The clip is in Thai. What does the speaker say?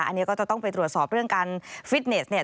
อันนี้ก็จะต้องไปตรวจสอบเรื่องการฟิตเนสเนี่ย